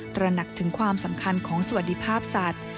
ตระหนักถึงความสำคัญของสวัสดิภาพสัตว์